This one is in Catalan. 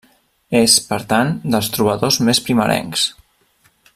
És, per tant, dels trobadors més primerencs.